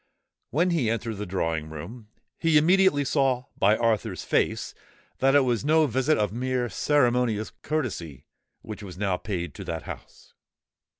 When he entered the drawing room, he immediately saw by Arthur's face that it was no visit of mere ceremonious courtesy which was now paid to that house.